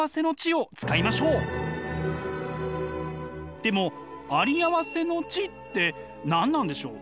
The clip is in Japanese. でもあり合わせの知って何なんでしょう？